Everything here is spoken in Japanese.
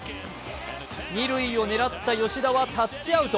二塁を狙った吉田はタッチアウト。